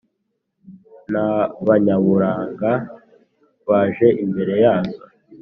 N'abanyarubuga baje imbere yazo